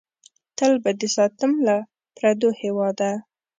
تل به دې ساتم له پردو هېواده!